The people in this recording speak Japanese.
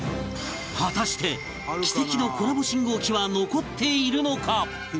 果たして奇跡のコラボ信号機は残っているのか？